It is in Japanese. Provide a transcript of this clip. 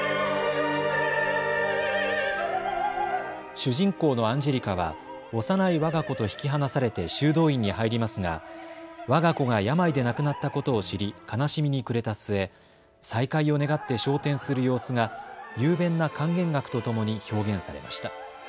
主人公のアンジェリカは幼いわが子と引き離されて修道院に入りますが、わが子が病で亡くなったことを知り悲しみに暮れた末、再会を願って昇天する様子が雄弁な管弦楽とともに表現されました。